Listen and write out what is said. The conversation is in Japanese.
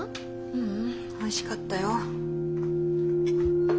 ううんおいしかったよ。